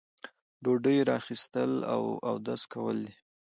ډوډۍ را اخیستل او اودس کول دي.